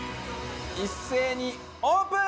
一斉にオープン！